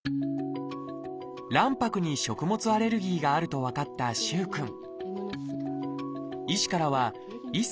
卵白に食物アレルギーがあると分かった萩くん。